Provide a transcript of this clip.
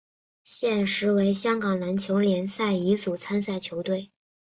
现时为香港篮球联赛乙组参赛球队。